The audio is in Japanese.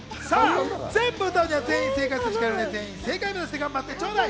全部歌うには、全員正解するしかないので、全員正解を目指して頑張ってちょうだい。